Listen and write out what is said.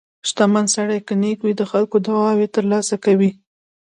• شتمن سړی که نیک وي، د خلکو دعاوې ترلاسه کوي.